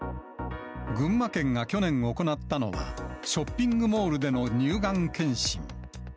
群馬県が去年行ったのは、ショッピングモールでの乳がん検診。